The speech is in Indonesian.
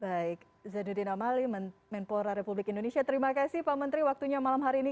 baik zadudin amali menpora republik indonesia terima kasih pak menteri waktunya malam hari ini